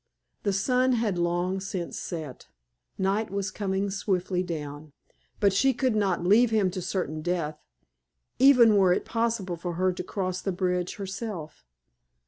The sun had long since set; night was coming swiftly down. But she could not leave him to certain death, even were it possible for her to cross the bridge herself.